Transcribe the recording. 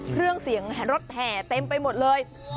เครื่องเสียงรถแห่เต็มไปหมดเลย